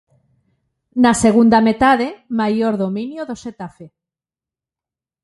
Na segunda metade, maior dominio do Xetafe.